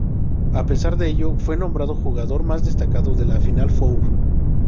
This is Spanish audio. A pesar de ello, fue nombrado jugador más destacado de la Final Four.